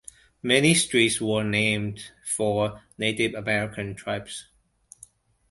Many streets were named for Native American tribes.